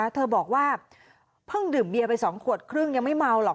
เธอบอกว่าเพิ่งดื่มเบียร์ไป๒ขวดครึ่งยังไม่เมาหรอก